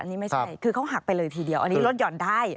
นี่ไม่ใช่คือเขาหักไปเลยทีเดียวอันนี้ลดหย่อนได้